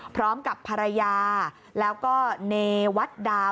พร้อมกับภรรยาแล้วก็เนวัตดาว